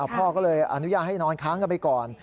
พ่อก็เลยอนุญาตให้นอนค้างกันไปก่อน